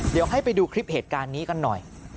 เดี๋ยวให้ไปดูคลิปเหตุการณ์นี้กันหน่อย